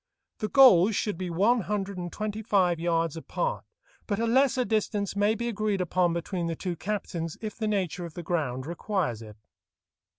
The goals should be one hundred and twenty five yards apart, but a lesser distance may be agreed upon between the two captains if the nature of the ground requires it.